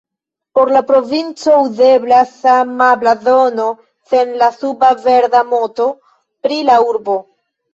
Por la provinco uzeblas sama blazono sen la suba verda moto pri la urbo.